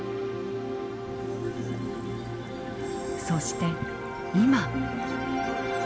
そして今。